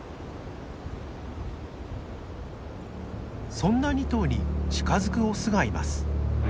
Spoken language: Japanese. そんな２頭に近づくオスがいます。